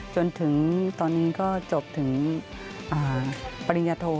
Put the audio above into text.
จนถึงตอนนี้ก็จบถึงปริญญาโท